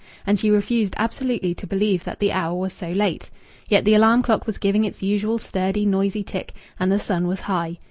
And she refused absolutely to believe that the hour was so late. Yet the alarm clock was giving its usual sturdy, noisy tick, and the sun was high.